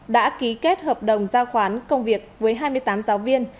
đã ký kết hợp đồng giao khoán công việc với hai mươi tám giáo viên